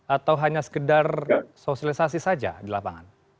atau hanya sekedar sosialisasi saja di lapangan